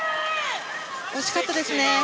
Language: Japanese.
惜しかったですね。